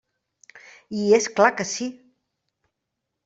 I és clar que sí!